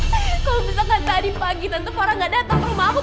kalau misalkan tadi pagi tante farah gak datang ke rumah aku